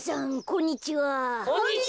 こんにちは。